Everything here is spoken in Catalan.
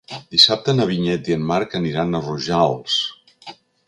Dissabte na Vinyet i en Marc aniran a Rojals.